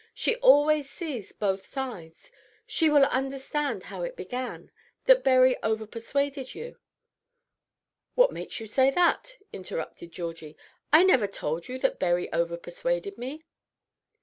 She always sees both sides. She will understand how it began, that Berry over persuaded you " "What makes you say that?" interrupted Georgie. "I never told you that Berry over persuaded me."